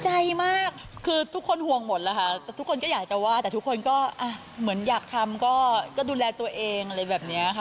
ใจมากคือทุกคนห่วงหมดแล้วค่ะทุกคนก็อยากจะว่าแต่ทุกคนก็เหมือนอยากทำก็ดูแลตัวเองอะไรแบบนี้ค่ะ